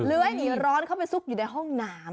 ให้หนีร้อนเข้าไปซุกอยู่ในห้องน้ำ